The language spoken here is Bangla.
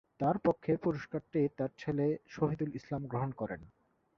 তার পক্ষে পুরস্কারটি তার ছেলে শহিদুল ইসলাম গ্রহণ করে।